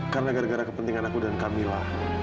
karena gara gara kepentingan aku dan kamila